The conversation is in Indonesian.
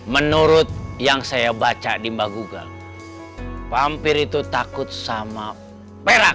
menurut yang saya baca di mbah google mampir itu takut sama perak